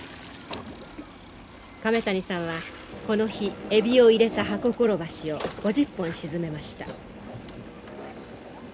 亀谷さんはこの日エビを入れた箱コロバシを５０本沈めました。